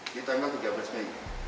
di tanggal tiga belas mei